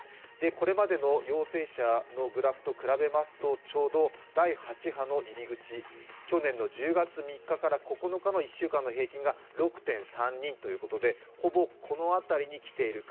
これまでの陽性者のグラフと比べますと、ちょうど第８波の入り口、去年の１２月３日から９日の１週間の平均が６．３６人ということでほぼこの辺りに来ているか。